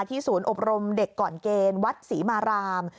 ศูนย์อบรมเด็กก่อนเกณฑ์วัดศรีมาราม